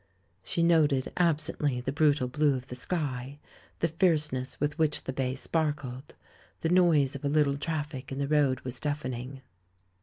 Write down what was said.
She noted absently the brutal blue of the sky, the fierceness with which the bay sparkled. The noise of a little traffic in the road was deafening.